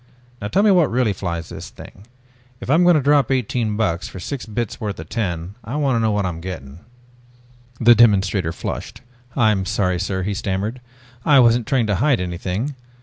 Now tell me what really flies the thing. If I'm going to drop eighteen bucks for six bits worth of tin, I want to know what I'm getting." The demonstrator flushed. "I'm sorry, sir," he stammered. "I wasn't trying to hide anything.